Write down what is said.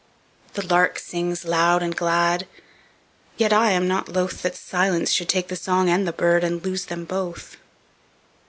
The lark sings loud and glad, Yet I am not lothThat silence should take the song and the birdAnd lose them both.